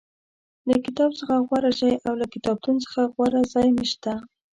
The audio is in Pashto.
له کتاب څخه غوره شی او له کتابتون څخه غوره ځای نشته.